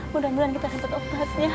mudah mudahan kita dapat obat ya